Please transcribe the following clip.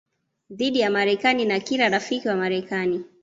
dhidi ya Marekani na kila rafiki wa Marekani